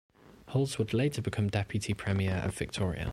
Hulls would later become Deputy Premier of Victoria.